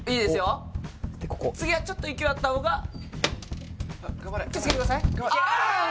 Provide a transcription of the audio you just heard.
次はちょっと勢いあった方が気をつけてください